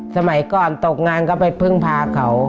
สมัยก่อนตกงานก็ไปพึ่งพาเขา